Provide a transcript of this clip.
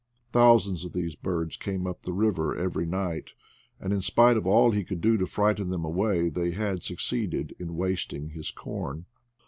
Thousands of these birds came up from the river every night, and in spite of all he could do to frighten them away they had suc ceeded in wasting his corn.